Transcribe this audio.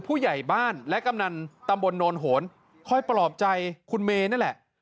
ผู้ใหญ่บ้านและกำนันตำบลโนนโหนค่อยปลอบใจคุณเมย์นั่นแหละ